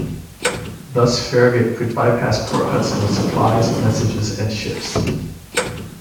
Thus, Farragut could bypass Port Hudson with supplies, messages, and ships.